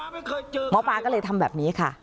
หมอปลาก็เลยทำแบบนี้ค่ะ